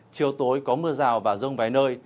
chiều tối có mưa rào và rông vài nơi